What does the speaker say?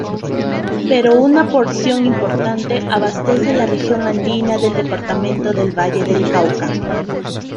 Pero una porción importante abastece la región andina del Departamento del Valle del Cauca.